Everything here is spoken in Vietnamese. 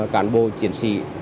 cản bộ chiến sĩ